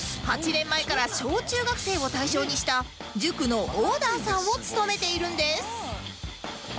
８年前から小中学生を対象にした塾のオーナーさんを務めているんです